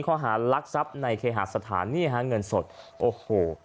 ข้อหารักทรัพย์ในเคหาสถานนี่ฮะเงินสดโอ้โห